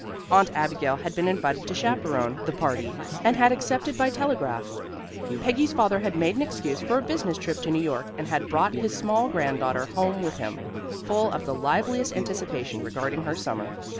Aunt Abigail had been invited to chaperon the party and had accepted by telegraph. Peggy's father had made an excuse for a business trip to New York, and had brought his small granddaughter home with him, full of the liveliest anticipation regarding her summer.